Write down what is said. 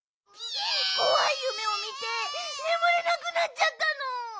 こわいゆめをみてねむれなくなっちゃったの。